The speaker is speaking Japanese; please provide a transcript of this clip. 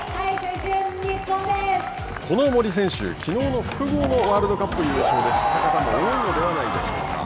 この森選手きのうの複合のワールドカップ優勝で知った方も多いのではないでしょうか。